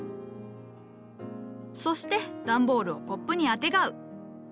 そして段ボールをコップにあてがう。